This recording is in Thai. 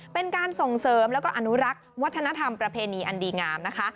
เป็นการส่งเสริมแล้วก็อนุรักษ์วัฒนธรรมประเพณีอันดีงามนะคะ